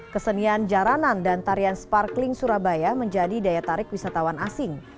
kesenian jaranan dan tarian sparkling surabaya menjadi daya tarik wisatawan asing